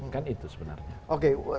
kan itu sebenarnya